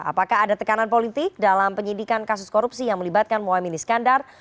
apakah ada tekanan politik dalam penyidikan kasus korupsi yang melibatkan mohaimin iskandar